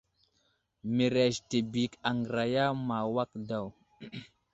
Mərəz təbək aŋgəraya ma awak daw.